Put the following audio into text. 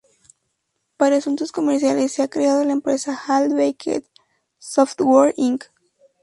Para asuntos comerciales se ha creado la empresa Half-Baked Software Inc.